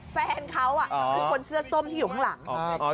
แฟนเขาคือคนเสื้อส้มที่อยู่ข้างหลัง